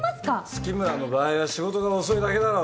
月村の場合は仕事が遅いだけだろ。